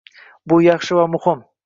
Bu yaxshi va muhim